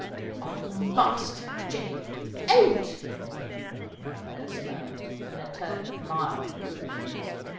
"Oh, Master Jamie, 'ain't' again!" nurse murmured, in a tone of mild reproof.